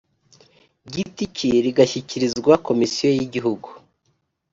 giti cye rigashyikirizwa Komisiyo y Igihugu